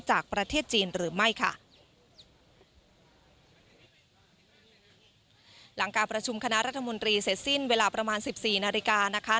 หลังการประชุมคณะรัฐมนตรีเสร็จสิ้นเวลาประมาณ๑๔นาฬิกา